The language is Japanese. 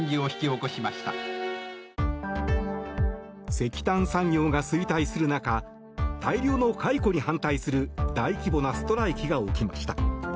石炭産業が衰退する中大量の解雇に反対する大規模なストライキが起きました。